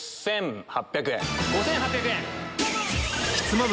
５８００円。